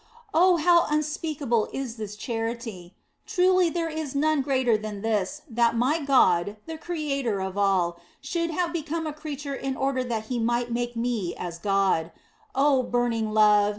" Oh, how unspeakable is this charity ! Truly there is none greater than this, that my God, the Creator of all, should have become a creature in order that He might OF FOLIGNO 253 make me as God. Oh burning love